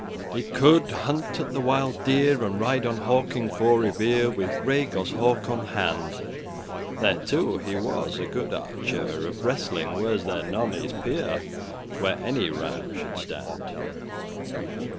<7> He coulde hunt at the wild deer, And ride on hawking *for rivere* *by the river* With gray goshawk on hand: <8> Thereto he was a good archere, Of wrestling was there none his peer, Where any ram <9> should stand.